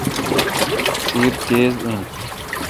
سیر تیز این۔